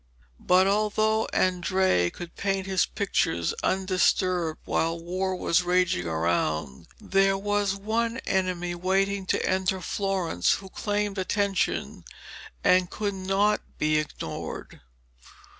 But although Andrea could paint his pictures undisturbed while war was raging around, there was one enemy waiting to enter Florence who claimed attention and could not be ignored.